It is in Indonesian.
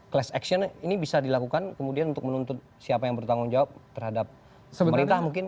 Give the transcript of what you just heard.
class action ini bisa dilakukan kemudian untuk menuntut siapa yang bertanggung jawab terhadap pemerintah mungkin